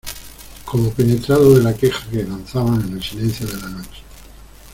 como penetrado de la queja que lanzaban en el silencio de la noche.